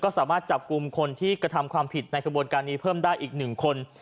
สามารถจับกลุ่มคนที่กระทำความผิดในขบวนการนี้เพิ่มได้อีก๑คน